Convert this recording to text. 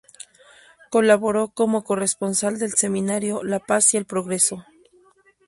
Colaboró como corresponsal del semanario "La Paz y el Progreso".